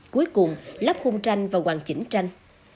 cuối cùng lắp khung tranh và hoàn chỉnh tranh